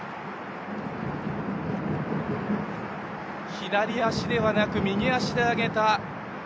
左足ではなく右足で上げた。